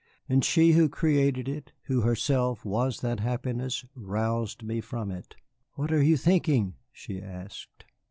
And she who created it, who herself was that happiness, roused me from it. "What are you thinking?" she asked.